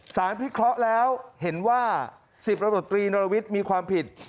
สารพิเคราะห์แล้วเห็นว่า๑๐รัฐตรีนอนวิทย์มีความผิด